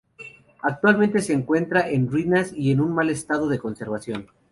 Actualmente se encuentra en ruinas y en mal estado de conservación.